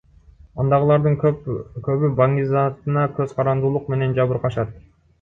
Андагылардын көбү баңгизатына көз карандуулук менен жабыркашат.